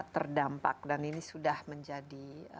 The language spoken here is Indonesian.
terdampak dan ini sudah menjadi